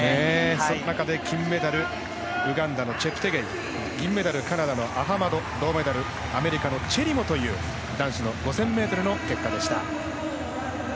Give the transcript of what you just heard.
その中で、金メダルウガンダのチェプテゲイ銀メダル、カナダのアハマド銅メダル、アメリカのチェリモという男子の５０００ｍの結果でした。